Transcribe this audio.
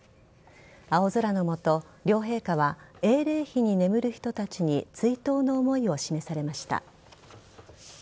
青空の下、両陛下は、英霊碑に眠る人たちに追悼の思いを示されました。